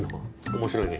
面白いね。